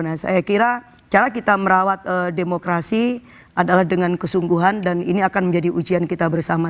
nah saya kira cara kita merawat demokrasi adalah dengan kesungguhan dan ini akan menjadi ujian kita bersama